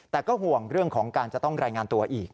แต่ก็ห่วงเรื่องของการจะต้องรายงานตัวอีก